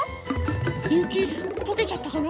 ゆきとけちゃったかな？